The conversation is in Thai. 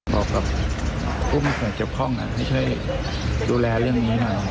บอกกับผู้ไม่ค่อยเจ็บข้องน่ะไม่ใช่ดูแลเรื่องนี้ค่ะ